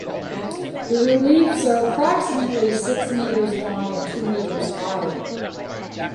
The reliefs are approximately six metres long and two metres high.